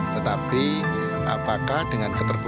tetapi apakah dengan keterbukaan